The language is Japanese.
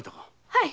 はい。